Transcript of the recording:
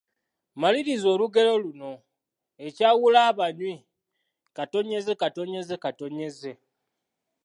Maliriza olugero luno: Ekyawula abanywi, …